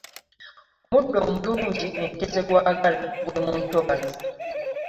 Omuddo omulungi ente gwe zaagala guli mu ntobazzi.